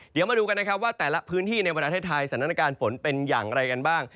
เดี๋ยวมาดูกันนะครับว่าแต่ละพื้นที่ในประเทศไทยสถานการณ์ฝนเป็นอย่างไรกันบ้าง